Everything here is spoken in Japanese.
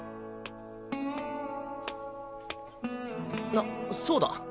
あそうだ。